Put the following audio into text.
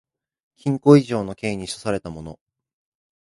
禁錮以上の刑に処せられた者